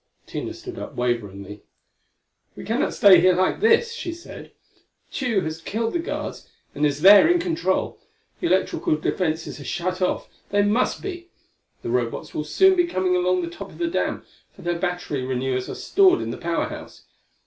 Tina stood up waveringly. "We cannot stay here like this!" she said. "Tugh has killed the guards, and is there in control. The electrical defenses are shut off; they must be! The Robots will soon be coming along the top of the dam, for their battery renewers are stored in the Power House.